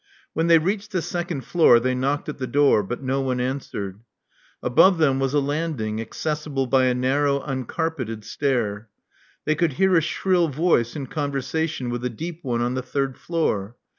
When they reached the second floor, they knocked at the door; but no one answered. Above them was a landing, accessible by a narrow uncarpeted stair. They could hear a shrill voice in conversation with a deep one on the third floor.